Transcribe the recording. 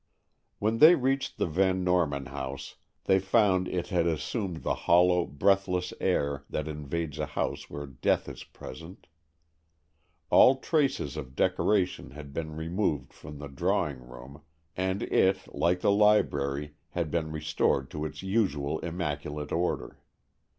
When they reached the Van Norman house they found it had assumed the hollow, breathless air that invades a house where death is present. All traces of decoration had been removed from the drawing room, and it, like the library, had been restored to its usual immaculate order.